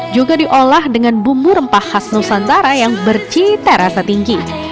juga diolah dengan bumbu rempah khas nusantara yang bercita rasa tinggi